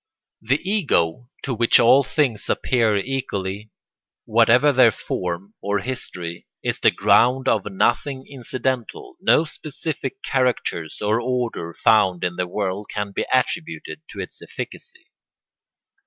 The Ego to which all things appear equally, whatever their form or history, is the ground of nothing incidental: no specific characters or order found in the world can be attributed to its efficacy.